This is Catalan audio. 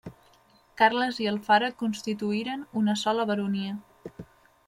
Carles i Alfara constituïren una sola baronia.